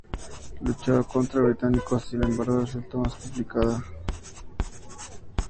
La lucha contra los británicos, sin embargo, resultó más complicada.